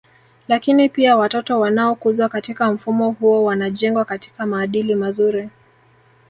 Lakini pia watoto wanaokuzwa katika mfumo huo wanajengwa katika maadili mazuri